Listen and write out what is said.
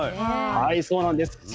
はいそうなんです。